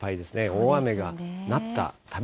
大雨が、なった、